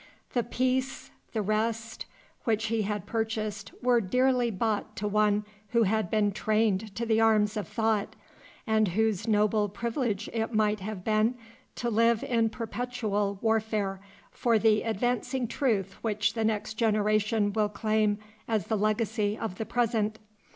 The "peace," the "rest," which he had purchased were dearly bought to one who had been trained to the arms of thought, and whose noble privilege it might have been to live in perpetual warfare for the advancing truth which the next generation will claim as the legacy of the present.